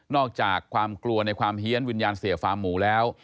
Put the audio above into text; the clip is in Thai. อกจากความกลัวในความเฮียนวิญญาณเสียฟาร์มหมูแล้ว